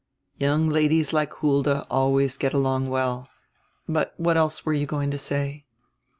"Young ladies like Hulda always get along well. But what else were you going to say?"